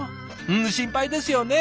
うん心配ですよね